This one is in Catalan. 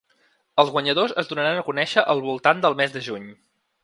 Els guanyadors es donaran a conèixer al voltant del mes de juny.